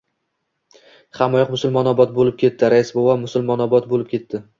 — Hammayoq musulmonobod bo‘lib ketdi, rais bova, musulmonobod bo‘lib ketdi.